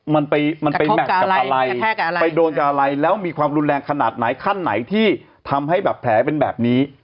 มันไปมันไปแมทกับอะไรไปโดนกับอะไรแล้วมีความรุนแรงขนาดไหนขั้นไหนที่ทำให้แบบแผลเป็นแบบนี้